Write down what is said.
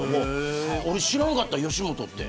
俺、知らんかった吉本って。